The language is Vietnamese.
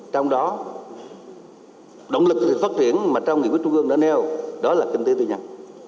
trong đó động lực phát triển mà trong nghị quyết trung ương đã nêu đó là kinh tế tư nhân